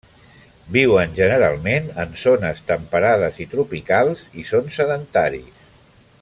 Viuen generalment en zones temperades i tropicals i són sedentaris.